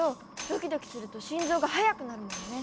ドキドキすると心臓が速くなるもんね。